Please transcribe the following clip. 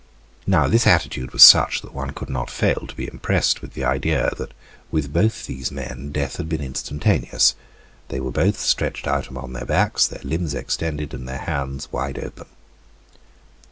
Now, this attitude was such that one could not fail to be impressed with the idea that with both these men death had been instantaneous. They were both stretched out upon their backs, their limbs extended, and their hands wide open.